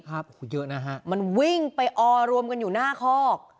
โอ้โหเยอะนะฮะมันวิ่งไปออรวมกันอยู่หน้าคอก